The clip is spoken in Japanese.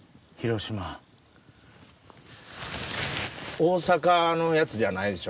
大阪のやつじゃないでしょ？